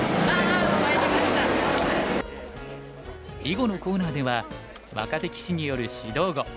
囲碁のコーナーでは若手棋士による指導碁。